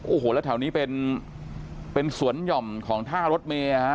โอ้โหแล้วแถวนี้เป็นสวนหย่อมของท่ารถเมย์ฮะ